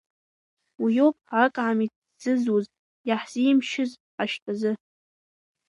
Уи иоуп акаамеҭ ззызуз иаҳзимшьыз ашьтәазы.